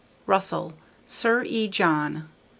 Russell, Sir E. John.